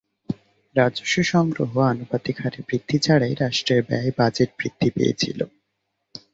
রাজস্ব সংগ্রহ আনুপাতিক হারে বৃদ্ধি ছাড়াই রাষ্ট্রের ব্যয় বাজেট বৃদ্ধি পেয়েছিল।